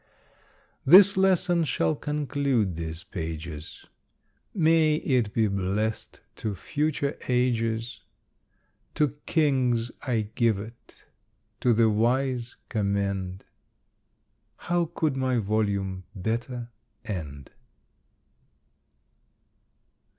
This lesson shall conclude these pages; May it be blessed to future ages! To Kings I give it, to the wise commend: How could my volume better end?